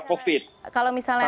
covid sembilan belas kalau misalnya